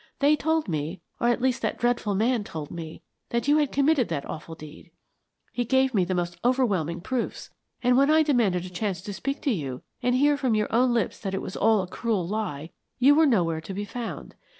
They told me, or, at least, that dreadful man told me, that you had committed that awful deed. He gave me the most overwhelming proofs, and when I demanded a chance to speak to you and hear from your own lips that it was all a cruel lie, you were nowhere to be found.